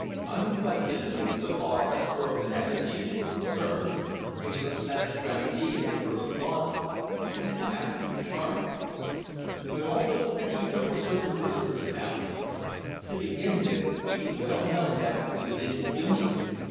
Unquestionably, so far as birth and antecedents were concerned, he was a Spanish Grandee of the first water. And his manners were charming. But, all the same, there were certain whispers about him. To begin with, it was well known that he was impecunious.